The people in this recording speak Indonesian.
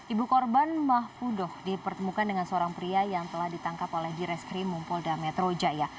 ibu korban mahfudoh dipertemukan dengan seorang pria yang telah ditangkap oleh di reskrim mumpolda metro jaya